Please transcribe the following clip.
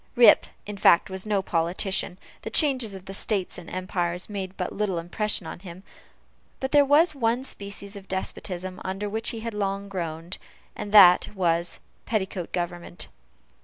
Rip, in fact, was no politician; the changes of states and empires made but little impression on him; but there was one species of despotism under which he had long groaned, and that was petticoat government.